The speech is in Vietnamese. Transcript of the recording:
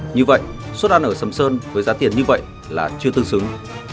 như vậy suất ăn ở sầm sơn với giá tiền như vậy là chưa tương xứng